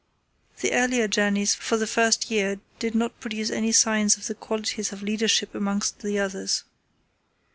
The earlier journeys for the first year did not produce any sign of the qualities of leadership amongst the others.